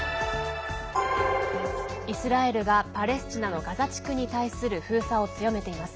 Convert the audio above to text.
イスラエルがパレスチナのガザ地区に対する封鎖を強めています。